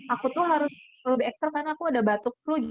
aku tuh harus lebih ekstra karena aku ada batuk flu